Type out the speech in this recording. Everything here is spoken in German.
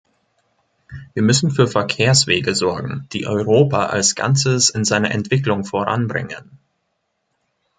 Wir müssen für Verkehrswege sorgen, die Europa als Ganzes in seiner Entwicklung voranbringen.